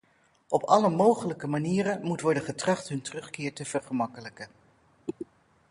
Op alle mogelijke manieren moet worden getracht hun terugkeer te vergemakkelijken.